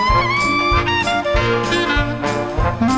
สวัสดีครับ